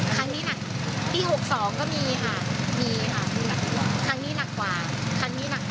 ครั้งนี้หนักที่หกสองก็มีฮะมีฮะครั้งนี้หนักกว่าครั้งนี้หนักกว่า